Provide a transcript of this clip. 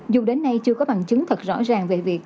dù đến nay chưa có bằng chứng thật rõ ràng về việc